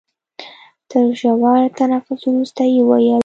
تر ژور تنفس وروسته يې وويل.